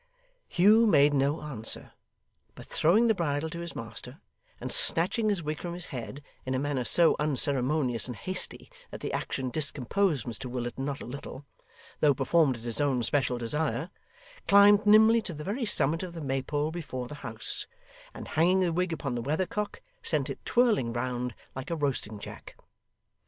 Hugh made no answer, but throwing the bridle to his master, and snatching his wig from his head, in a manner so unceremonious and hasty that the action discomposed Mr Willet not a little, though performed at his own special desire, climbed nimbly to the very summit of the maypole before the house, and hanging the wig upon the weathercock, sent it twirling round like a roasting jack.